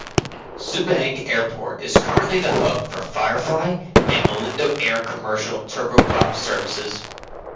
Subang Airport is currently the hub for Firefly and Malindo Air commercial turboprop services.